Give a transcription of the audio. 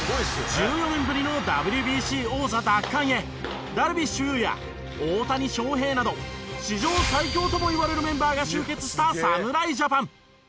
１４年ぶりのＷＢＣ王座奪還へダルビッシュ有や大谷翔平など史上最強ともいわれるメンバーが集結した侍ジャパン。